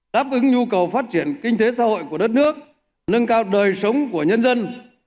đáp ứng nhu cầu phát triển kinh tế xã hội của đất nước nâng cao đời sống của nhân dân